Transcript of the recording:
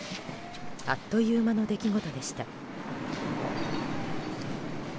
あっという間の出来事でした。